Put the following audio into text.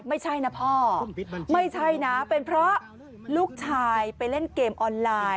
ไม่ใช่นะพ่อไม่ใช่นะเป็นเพราะลูกชายไปเล่นเกมออนไลน์